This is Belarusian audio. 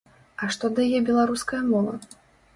А што дае беларуская мова?